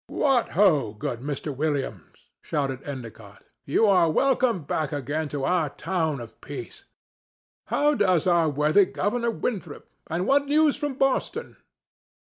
"What ho, good Mr. Williams!" shouted Endicott. "You are welcome back again to our town of peace. How does our worthy Governor Winthrop? And what news from Boston?"